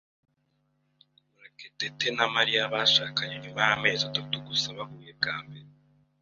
Murekatete na Mariya bashakanye nyuma y'amezi atatu gusa bahuye bwa mbere.